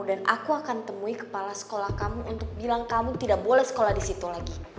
dan aku akan temui kepala sekolah kamu untuk bilang kamu tidak boleh sekolah di situ lagi